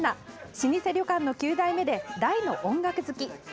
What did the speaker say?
老舗旅館の９代目で大の音楽好き。